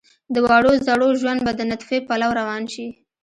د وړو زړو ژوند به د نطفې پلو روان شي.